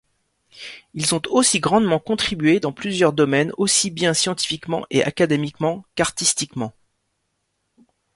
Ils ont aussi grandement contribué dans plusieurs domaines aussi bien scientifiquement et académiquement qu'artistiquement.